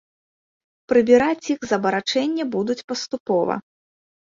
Прыбіраць іх з абарачэння будуць паступова.